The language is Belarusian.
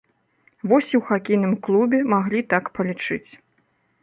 Вось і ў хакейным клубе маглі так палічыць.